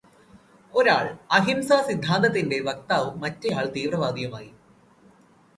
ഒരാള് അഹിംസാ സിദ്ധാന്തത്തിന്റെ വക്താവും, മറ്റേയാള് തീവ്രവാദിയുമായി.